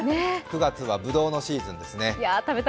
９月は、ぶどうのシーズンですね。